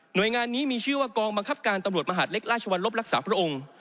โดยงานนี้มีชื่อว่ากองบังคับการตำรวจมหาดเล็กราชวรรลบรักษาพระองค์